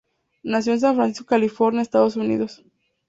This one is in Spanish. Nació en San Francisco, California, Estados Unidos.